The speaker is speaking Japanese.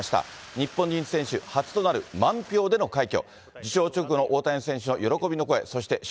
日本人選手初となる満票での快挙。